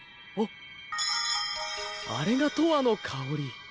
あれが「とわのかおり」。